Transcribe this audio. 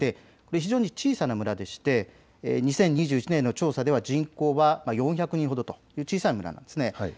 非常に小さな村で２０２１年の調査では人口は４００人ほど、小さい村です。